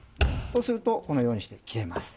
そうするとこのようにして切れます。